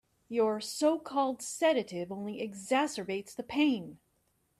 Your so-called sedative only exacerbates the pain.